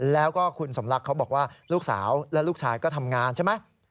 แล้วก็คุณสมรักเขาบอกว่าลูกสาวและลูกชายก็ทำงานใช่ไหม